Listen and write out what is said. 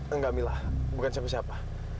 enggak milah bukan siapa siapa